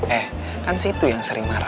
eh granny itu sarnggara